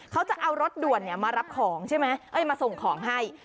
เขาจะเอารถด่วนมารับของใช่ไหมมาส่งของให้